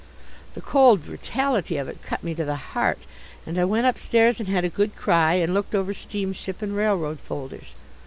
The cold brutality of it cut me to the heart, and I went upstairs and had a good cry and looked over steamship and railroad folders.